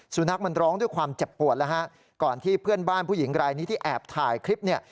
สุนัขมันร้องด้วยความเจ็บปวดแล้วฮะก่อนที่เพื่อนบ้านผู้หญิงรายนี้ที่แอบถ่ายคลิปเนี่ย